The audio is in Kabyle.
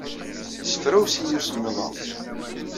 Yessefrawes-iyi usemmiḍ-a.